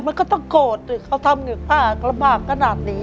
มันก็ต้องโกรธเขาทำอยู่ข้างระบากขนาดนี้